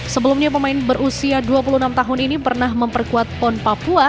sebelumnya pemain berusia dua puluh enam tahun ini pernah memperkuat pon papua